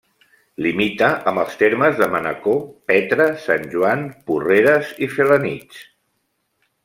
Limita amb els termes de Manacor, Petra, Sant Joan, Porreres i Felanitx.